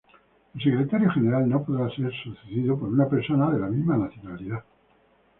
El Secretario General no podrá ser sucedido por una persona de la misma nacionalidad.